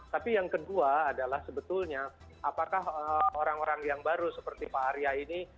tapi yang kedua adalah sebetulnya apakah orang orang yang baru seperti pak arya ini